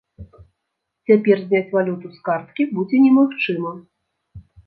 Цяпер зняць валюту з карткі будзе немагчыма.